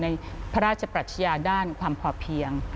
ในพระราชปรัชญาด้านความพอเพียง